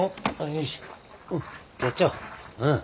よしやっちゃおううん。